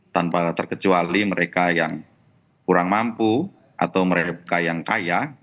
tanpa terkecuali mereka yang kurang mampu atau mereka yang kaya